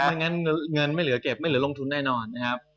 ไม่งั้นเงินไม่เหลือเก็บไม่เหลือลงทุนแน่นอนนะครับ